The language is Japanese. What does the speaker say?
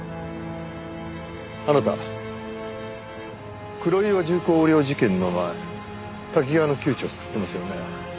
あなた黒岩重工横領事件の前瀧川の窮地を救ってますよね？